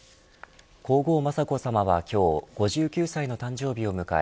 皇后雅子さまは今日５９歳の誕生日を迎え